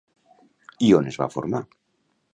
I on es va formar?